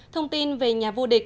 thông tin về nhà vua địch